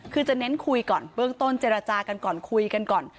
คือจะเน้นคุยก่อนเบื้องต้นเจรจากันก่อนคุยกันก่อน